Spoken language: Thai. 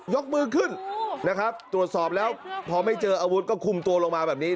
ยกมือขึ้นนะครับตรวจสอบแล้วพอไม่เจออาวุธก็คุมตัวลงมาแบบนี้